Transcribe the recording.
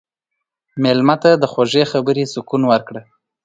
مېلمه ته د خوږې خبرې سکون ورکړه.